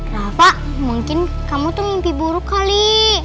rafa mungkin kamu tuh mimpi buruk kali